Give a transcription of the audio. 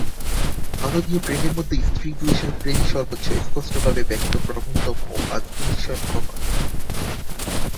মানবীয় প্রেমের মধ্যে স্ত্রী-পুরুষের প্রেমই সর্বোচ্চ, স্পষ্টভাবে ব্যক্ত, প্রবলতম ও অতিশয় মনোহর।